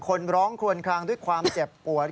คนร้องคลวนคลางด้วยความเจ็บปวด